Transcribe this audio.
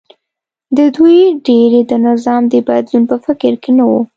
د دوی ډېری د نظام د بدلون په فکر کې نه و